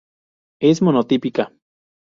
Es monotípica